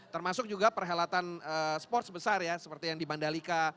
termasuk juga perhelatan sport sebesar ya seperti yang di bandalika